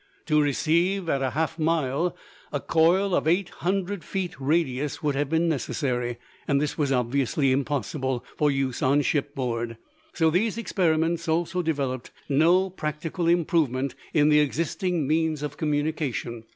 To receive at a half mile a coil of eight hundred feet radius would have been necessary, and this was obviously impossible for use on shipboard. So these experiments also developed no practical improvement in the existing means of communication.